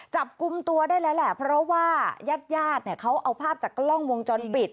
จับกุมตัวได้แล้วแหละเพราะว่ายาดเขาเอาภาพจากกล้องวงจรปิด